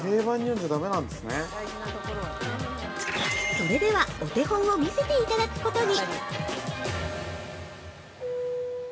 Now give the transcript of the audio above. ◆それでは、お手本を見せていただくことに。